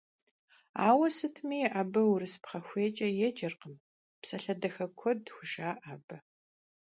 Ауэ сытми абы урыс пхъэхуейкӀэ еджэркъым, псалъэ дахэ куэд хужаӀэ абы.